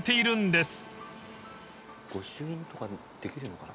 御朱印とかできるのかな。